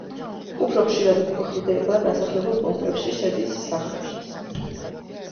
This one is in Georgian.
უფრო ხშირად გვხვდება დასახლებულ პუნქტებში, შედის სახლებშიც.